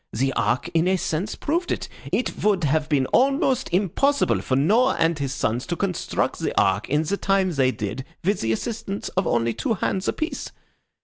The Ark in a sense proved it. It would have been almost impossible for Noah and his sons to construct the Ark in the time they did with the assistance of only two hands apiece.